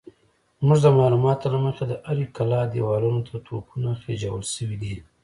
زموږ د معلوماتو له مخې د هرې کلا دېوالونو ته توپونه خېژول شوي دي.